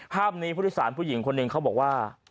ภาพนี้ผู้โดยสารผู้หญิงคนหนึ่งเขาบอกว่า